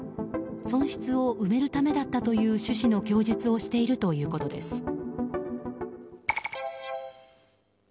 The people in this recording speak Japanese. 損失を埋めるためだったという趣旨の供述をしているということです。